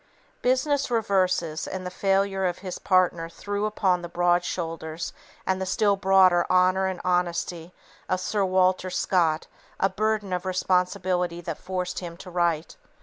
Business reverses and the failure of his partner threw upon the broad shoulders and the still broader honor and honesty of Sir Walter Scott a burden of responsibility that forced him to write.